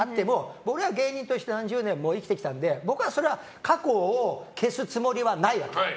僕、芸人として何十年も生きてきたので僕は過去を消すつもりはないわけ。